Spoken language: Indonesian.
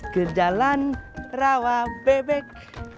ke jalan rawa bebek